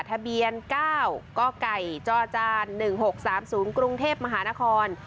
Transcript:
ทะเบียน๙กไก่จจ๑๖๓๐กรุงเทพมหานคร